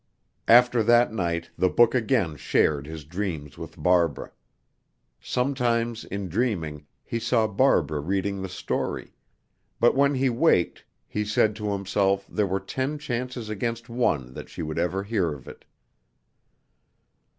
After that night the book again shared his dreams with Barbara. Sometimes in dreaming, he saw Barbara reading the story; but when he waked, he said to himself there were ten chances against one that she would ever hear of it.